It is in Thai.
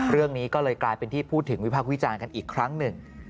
เรื่องนี้ก็เลยกลายเป็นที่พูดถึงวิพากษ์วิจารณ์กันอีกครั้งหนึ่ง